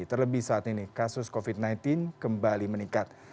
terlebih saat ini kasus covid sembilan belas kembali meningkat